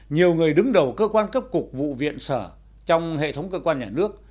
nhiều người đứng đầu cơ quan cấp cục vụ viện sở trong hệ thống cơ quan nhà nước